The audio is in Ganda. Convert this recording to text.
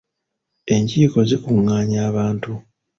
Enkiiko zikungaanya abantu.